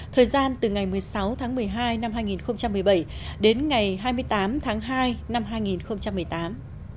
thời gian từ ngày một mươi sáu tháng một mươi hai năm hai nghìn một mươi bảy đến ngày hai mươi tám tháng hai năm hai nghìn một mươi tám